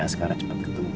askara cepat ketemu